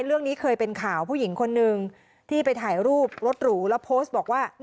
เรื่องนี้เคยเป็นข่าวผู้หญิงคนนึงที่ไปถ่ายรูปรถหรูแล้วโพสต์บอกว่า